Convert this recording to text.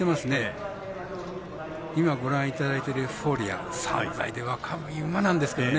ご覧いただいているエフフォーリア、３歳で若い馬なんですけどね